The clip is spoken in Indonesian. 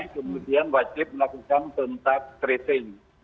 kemudian wajib melakukan tontak krisen